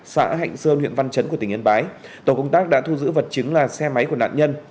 xã hạnh sơn huyện văn chấn của tỉnh yên bái tổ công tác đã thu giữ vật chứng là xe máy của nạn nhân